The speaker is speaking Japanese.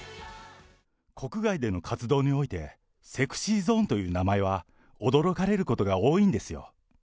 国外での活動において、ＳｅｘｙＺｏｎｅという名前は驚かれることが多いんですよ。